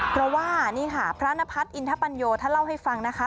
เพราะว่านี่ค่ะพระนพัฒน์อินทปัญโยท่านเล่าให้ฟังนะคะ